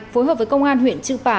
phối hợp với công an huyện chư pà